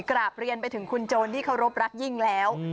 กราบเรียนไปถึงคุณโจรที่เคารพรักยิ่งแล้ว